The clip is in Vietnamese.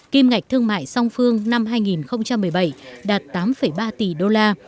kim ngạch thương mại song phương năm hai nghìn một mươi bảy đạt tám ba tỷ usd